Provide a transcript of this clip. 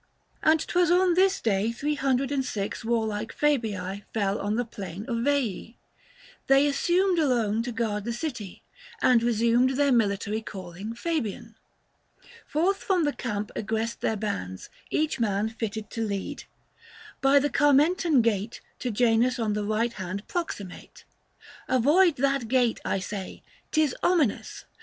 And 'twas on this day Three hundred and six warlike Fabii Fell on the plain of Veii. They assumed 200 Alone to guard the city, and resumed Their military calling Fabian. Forth from the camp egress'd then bands, each man Fitted to lead ; by the Carmentan gate, To Janus on the right hand proximate. 205 Avoid that gate, I say ; 'tis ominous